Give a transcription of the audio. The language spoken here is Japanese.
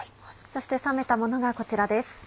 そして冷めたものがこちらです。